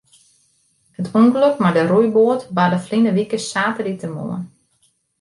It ûngelok mei de roeiboat barde ferline wike saterdeitemoarn.